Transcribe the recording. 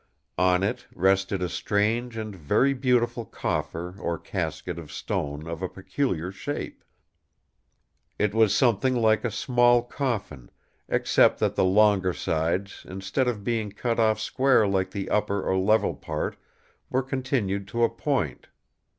On it rested a strange and very beautiful coffer or casket of stone of a peculiar shape. It was something like a small coffin, except that the longer sides, instead of being cut off square like the upper or level part were continued to a point.